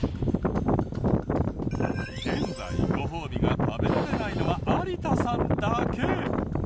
現在ご褒美が食べられないのは有田さんだけ。